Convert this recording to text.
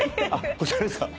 こちらですか？